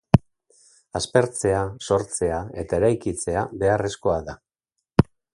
Aspertzea, sortzea eta eraikitzea beharrezkoa da.